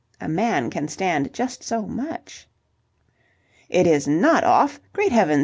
A man can stand just so much. "It is not off! Great heavens!